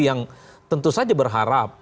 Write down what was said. yang tentu saja berharap